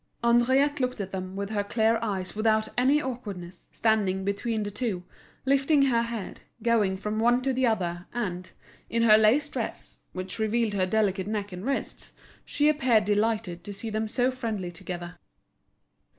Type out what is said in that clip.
Henriette looked at them with her clear eyes without any awkwardness, standing between the two, lifting her head, going from one to the other; and, in her lace dress, which revealed her delicate neck and wrists, she appeared delighted to see them so friendly together.